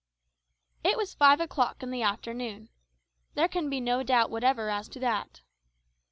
It was five o'clock in the afternoon. There can be no doubt whatever as to that.